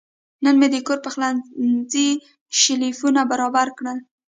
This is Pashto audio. نن مې د کور پخلنځي شیلفونه برابر کړل.